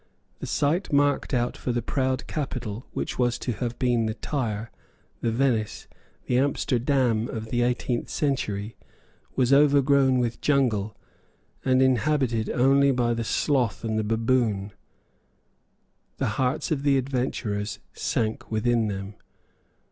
The site marked out for the proud capital which was to have been the Tyre, the Venice, the Amsterdam of the eighteenth century was overgrown with jungle, and inhabited only by the sloth and the baboon. The hearts of the adventurers sank within them.